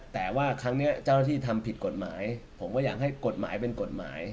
แต่ว่าครั้งนี้เจ้าหน้าที่ทำผิดกฎหมายผมก็อยากให้กฎหมายเป็นกฎหมาย